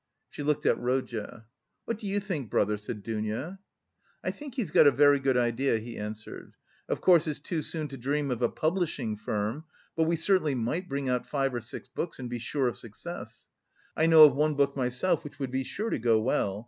She looked at Rodya. "What do you think, brother?" said Dounia. "I think he's got a very good idea," he answered. "Of course, it's too soon to dream of a publishing firm, but we certainly might bring out five or six books and be sure of success. I know of one book myself which would be sure to go well.